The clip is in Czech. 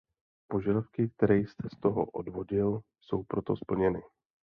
Požadavky, které jste z toho odvodil, jsou proto splněny.